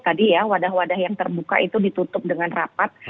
tadi ya wadah wadah yang terbuka itu ditutup dengan rapat